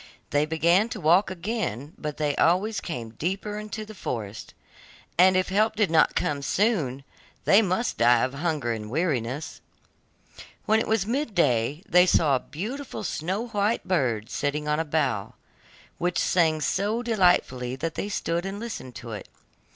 They began to walk again, but they always came deeper into the forest, and if help did not come soon, they must die of hunger and weariness. When it was mid day, they saw a beautiful snow white bird sitting on a bough, which sang so delightfully that they stood still and listened to it.